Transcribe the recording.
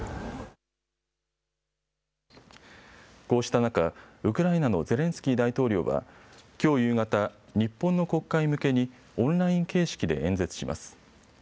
こうした中、ウクライナのゼレンスキー大統領はきょう夕方、日本の国会向けにオンライン形式で演説します。